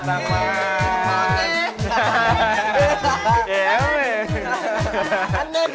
ibu boleh murder